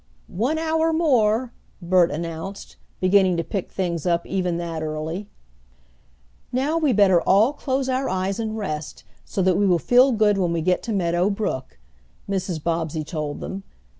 "One hour more!" Bert announced, beginning to pick things up even that early. "Now we better all close our eyes and rest, so that we will feel good when we get to Meadow Brook," Mrs. Bobbsey told them.